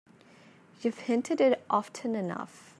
You've hinted it often enough.